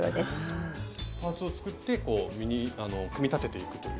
パーツを作って組み立てていくという。